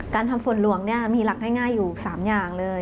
ทำฝนหลวงมีหลักง่ายอยู่๓อย่างเลย